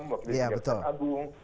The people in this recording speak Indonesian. wakil dari kpm agung